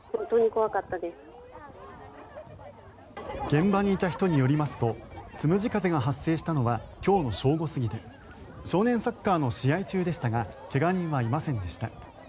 現場にいた人によりますとつむじ風が発生したのは今日の正午過ぎで少年サッカーの試合中でしたが怪我人はいませんでした。